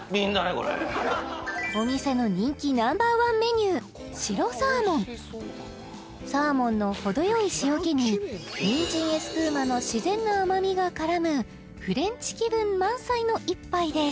これお店の人気ナンバーワンメニューサーモンの程よい塩気に人参エスプーマの自然な甘みが絡むフレンチ気分満載の１杯です